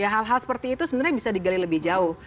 hal hal seperti itu sebenarnya bisa digali lebih jauh